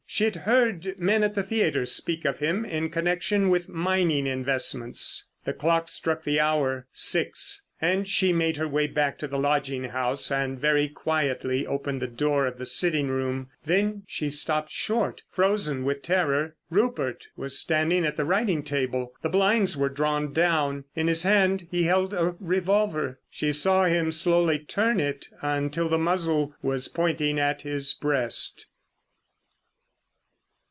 She had heard men at the theatre speak of him in connection with mining investments. The clock struck the hour—six—and she made her way back to the lodging house, and very quietly opened the door of the sitting room. Then she stopped short, frozen with terror. Rupert was standing at the writing table. The blinds were drawn down. In his hand he held a revolver. She saw him slowly turn it until the muzzle was pointing at his breast.